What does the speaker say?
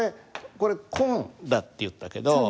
これ「こん」だって言ったけど。